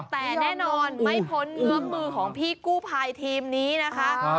แต่แน่นอนไม่พ้นเงื้อมือของพี่กู้ภัยทีมนี้นะคะ